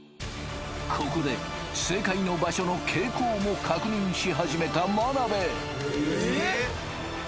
ここで正解の場所の傾向も確認し始めた眞鍋